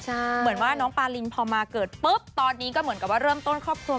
เหมือนว่าน้องปารินพอมาเกิดปุ๊บตอนนี้ก็เหมือนกับว่าเริ่มต้นครอบครัว